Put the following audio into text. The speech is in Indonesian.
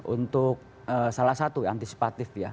untuk salah satu antisipatif ya